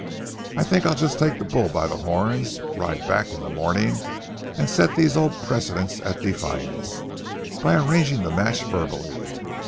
I think I'll just take the bull by the horns; ride back in the morning and set these old precedents at defiance, by arranging the match verbally.